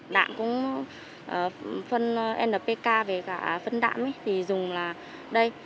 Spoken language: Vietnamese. đạm cũng phân npk về cả phân đạm thì dùng là đây